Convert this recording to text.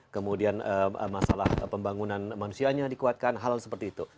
kemudian masalah pembangunan manusianya dikuatkan hal seperti itu